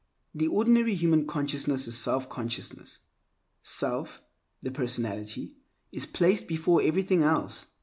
The ordinary human consciousness is self consciousness. Self, the personality, is placed before everything else.